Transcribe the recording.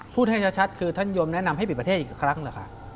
พูดให้ชัดคือท่านยมแนะนำให้ปิดประเทศอีกครั้งเหรอคะ